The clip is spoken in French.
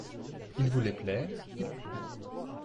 Il voulait plaire, il plut.